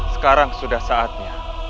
sekarang sudah saatnya